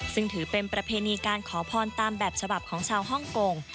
ซึ่งถือเป็นประเพณีการขอพรตามแบบฉบับของชาวฮ่องกง